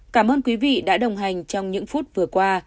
cảm ơn quý vị đã đồng hành trong những phút vừa qua